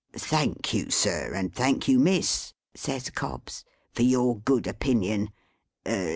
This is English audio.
"Thank you, sir, and thank you, miss," says Cobbs, "for your good opinion.